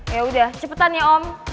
yaudah cepetan ya om